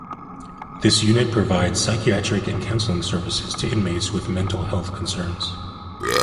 This unit provides psychiatric and counselling services to inmates with mental health concerns.